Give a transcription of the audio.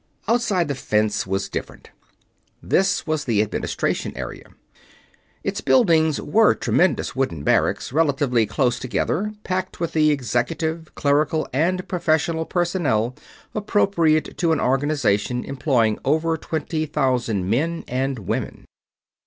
"Outside the Fence" was different. This was the Administration Area. Its buildings were tremendous wooden barracks, relatively close together, packed with the executive, clerical, and professional personnel appropriate to an organization employing over twenty thousand men and women.